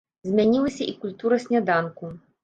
Змянілася і культура сняданку.